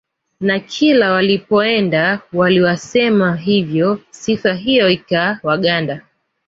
Na kila walipoenda waliwasema hivyo sifa hiyo ikawaganda